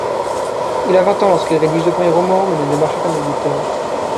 Il a vingt ans lorsqu'il rédige deux premiers romans, mais ne démarche aucun éditeur.